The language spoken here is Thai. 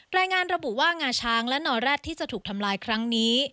รายงานระบุว่างาช้างและนอแร็ดที่จะถูกทำลายครั้งนี้